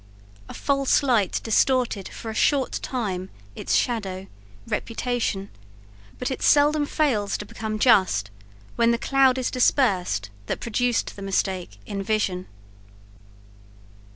A false light distorted, for a short time, its shadow reputation; but it seldom fails to become just when the cloud is dispersed that produced the mistake in vision.